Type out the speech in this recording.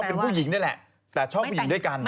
คุณซู่ซี่แม่ของพี่ดอน